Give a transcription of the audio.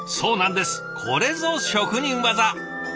これぞ職人技！